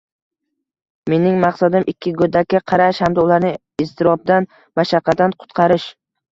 Mening maqsadim ikki go'dakka qarash hamda ularni iztirobdan, mashaqqatdan qutqarish.